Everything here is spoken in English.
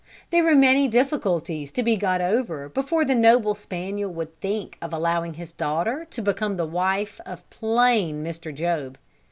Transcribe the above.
There were many difficulties to be got over before the noble spaniel would think of allowing his daughter to become the wife of plain Mr. Job.